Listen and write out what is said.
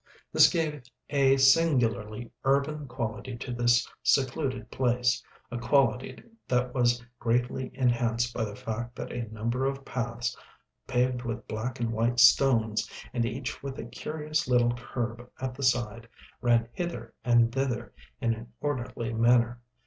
This gave a singularly urban quality to this secluded place, a quality that was greatly enhanced by the fact that a number of paths paved with black and white stones, and each with a curious little kerb at the side, ran hither and thither in an orderly manner.